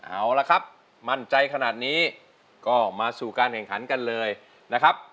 เอาละครับมั่นใจขนาดนี้ก็มาสู่การแข่งขันกันเลยนะครับ